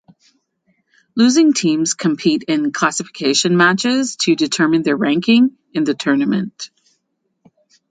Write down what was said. Losing teams compete in classification matches to determine their ranking in the tournament.